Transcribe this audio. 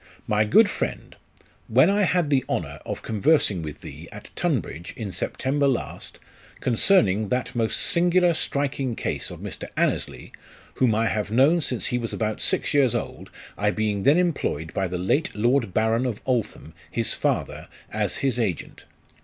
MY GOOD FRIEND : "When I had the honour of conversing with thee at Tunbridge, in September last, concerning that most singular striking case of Mr. Annesley, whom I have known since he was about six years old, I being then employed by the late Lord Baron of Altham, his father, as his agent.